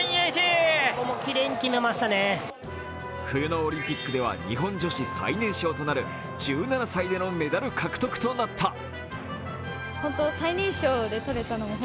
冬のオリンピックでは日本女子最年少となる１７歳でのメダル獲得となった。